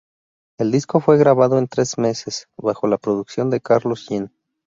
El disco fue grabado en tres meses, bajo la producción de Carlos Jean.